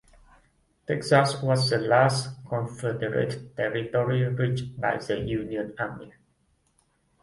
Texas was the last Confederate territory reached by the Union army.